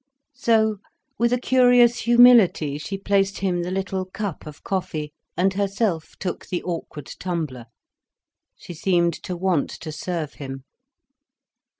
So, with a curious humility, she placed him the little cup of coffee, and herself took the awkward tumbler. She seemed to want to serve him.